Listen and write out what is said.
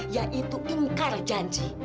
yaitu ingkar janji